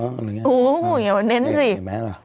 อาจารย์คลิปอะอู้อย่ามาเน้นสิเห็นไหมหรอ